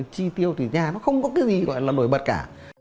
chi tiêu thì nhà nó không có cái gì gọi là nổi bật cả